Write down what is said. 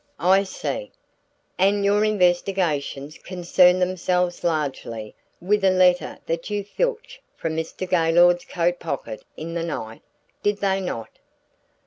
"I see! And your investigations concerned themselves largely with a letter which you filched from Mr. Gaylord's coat pocket in the night, did they not?"